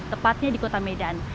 tepatnya di kota medan